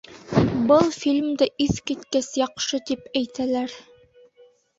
Был фильмды иҫ киткес яҡшы тип әйтәләр